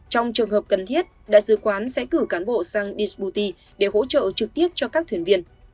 trong trường hợp cần thiết đại sứ quán sẽ cử cán bộ sang desbouti để hỗ trợ trực tiếp cho các thuyền viên